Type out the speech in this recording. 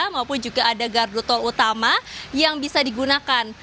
maupun juga ada gardu tol utama yang bisa digunakan